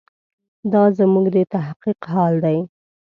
دا زموږ د تحقیق حال دی.